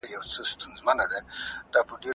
زه مخکي واښه راوړلي وو!؟